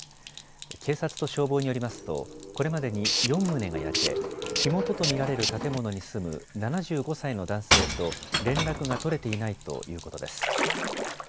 警察と消防によりますとこれまでに４棟が焼け火元と見られる建物に住む７５歳の男性と連絡が取れていないということです。